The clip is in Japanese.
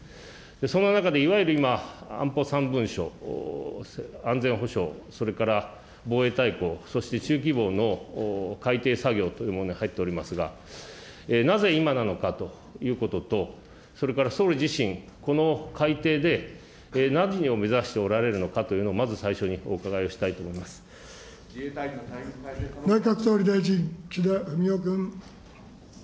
その中でいわゆる今、安保三文書、安全保障、それから防衛大綱、中規模の改定作業というものに入っておりますが、なぜ今なのかということと、それから総理自身、この改定で、何を目指しておられるのかということをまず最初に伺いをしたいと内閣総理大臣、岸田文雄君。